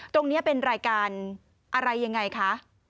ตรงนี้เป็นรายการอะไรยังไงคะ